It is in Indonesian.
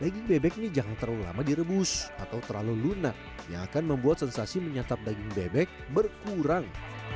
daging bebek ini jangan terlalu lama direbus atau terlalu lunak yang akan membuat sensasi menyatap daging bebek berkurang